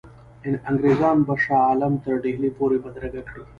انګرېزان به شاه عالم تر ډهلي پوري بدرګه کړي.